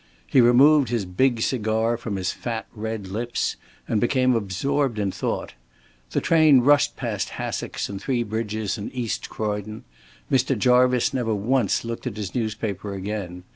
He removed his big cigar from his fat red lips, and became absorbed in thought. The train rushed past Hassocks and Three Bridges and East Croydon. Mr. Jarvice never once looked at his newspaper again.